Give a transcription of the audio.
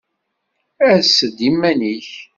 Ass-d iman-ik!